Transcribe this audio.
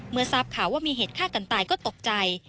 เมื่อทราบข่าวว่ามีเหตุฆ่ากันตายก็ตกใจ